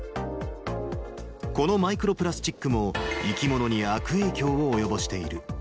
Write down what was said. このマイクロプラスチックも、生き物に悪影響を及ぼしている。